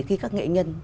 khi các nghệ nhân